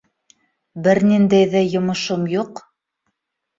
Бер ниндәй ҙә йомошом юҡ.